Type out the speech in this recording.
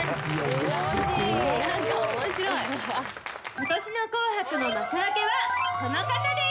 ことしの『紅白』の幕開けはこの方です。